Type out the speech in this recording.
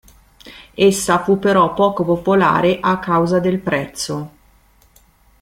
Essa fu però poco popolare a causa del prezzo.